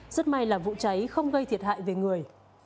rất may là vụ cháy không gây thiệt hại về người